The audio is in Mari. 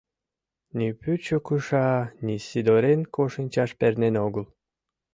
Ни пӱчӧ кыша, ни Сидоренко шинчаш пернен огыл.